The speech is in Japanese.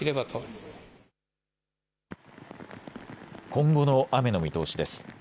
今後の雨の見通しです。